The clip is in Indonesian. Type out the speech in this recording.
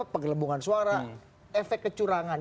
pegelembungan suara efek kecurangan